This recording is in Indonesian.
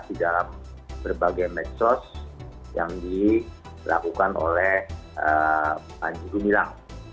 di dalam berbagai metos yang dilakukan oleh pandigi milang